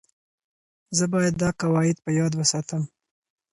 زه باید دا قواعد په یاد وساتم.